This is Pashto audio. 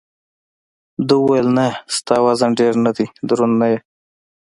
ده وویل: نه، ستا وزن ډېر نه دی، دروند نه یې.